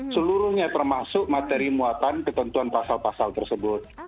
seluruhnya termasuk materi muatan ketentuan pasal pasal tersebut